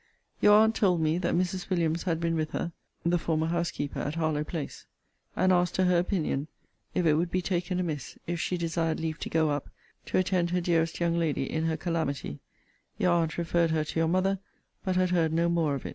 Your aunt told me, 'That Mrs. Williams* had been with her, and asked her opinion, if it would be taken amiss, if she desired leave to go up, to attend her dearest young lady in her calamity. Your aunt referred her to your mother: but had heard no more of it.